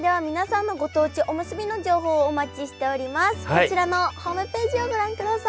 こちらのホームページをご覧ください。